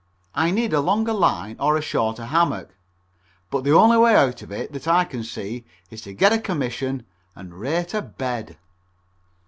I need a longer line or a shorter hammock, but the only way out of it that I can see is to get a commission and rate a bed.